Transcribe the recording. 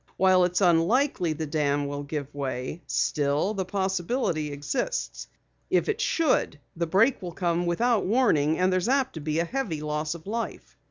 While it's unlikely the dam will give way, still the possibility exists. If it should, the break will come without warning and there's apt to be a heavy loss of life."